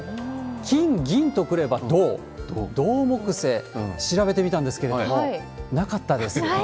金、銀とくれば銅、ドウモクセイ、調べてみたんですけれども、なかったです。